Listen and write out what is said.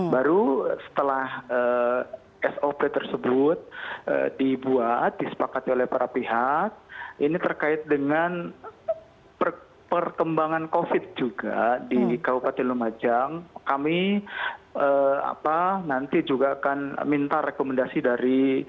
baru setelah sop tersebut dibuat disepakati oleh para pihak ini terkait dengan perkembangan covid juga di kabupaten lumajang kami nanti juga akan minta rekomendasi dari